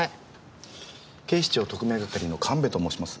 警視庁特命係の神戸と申します。